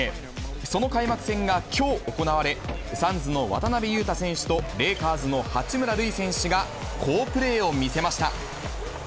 その開幕戦がきょう行われ、サンズの渡邊雄太選手とレイカーズの八村塁選手が好プレーを見せました。